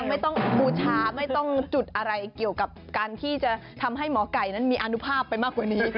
ไม่ต้องบูชาไม่ต้องจุดอะไรเกี่ยวกับการที่จะทำให้หมอไก่นั้นมีอนุภาพไปมากกว่านี้